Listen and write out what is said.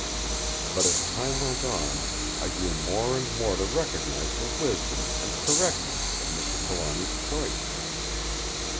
But as time went on I grew more and more to recognise the wisdom and correctness of Mr. Trelawny's choice.